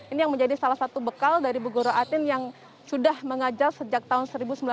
ini yang menjadi salah satu bekal dari bu guru atin yang sudah mengajar sejak tahun seribu sembilan ratus sembilan puluh